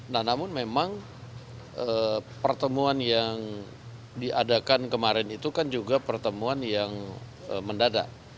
nah namun memang pertemuan yang diadakan kemarin itu kan juga pertemuan yang mendadak